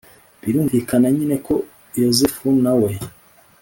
Birumvikana nyine ko Yozefu na we